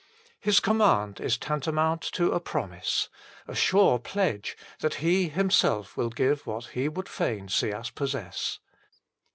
His command is tantamount to a promise : a sure pledge that He Himself will give what He would fain see us possess.